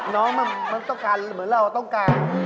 น้องมันต้องการเหมือนเราต้องการ